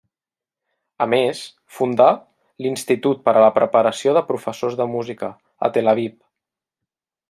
A més, fundà, l'Institut per a la preparació de professors de música, a Tel Aviv.